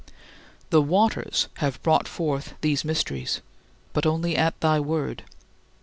"The waters" have brought forth these mysteries, but only at thy word.